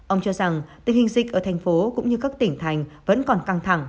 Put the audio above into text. ông cho rằng tình hình dịch ở thành phố cũng như các tỉnh thành vẫn còn căng thẳng